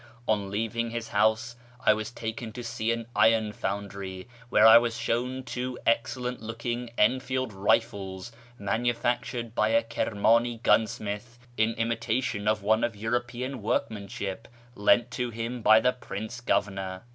On leaving his house I was taken to see an iron foundry, where I was shown two excellent looking Enfield rifles manufactured by a Kirmani gunsmith, in imitation of one of European workmanship lent to him by the Prince Governor.